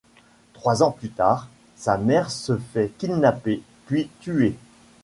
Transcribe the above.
Trois ans plus tard, sa mère se fait kidnapper puis tuer.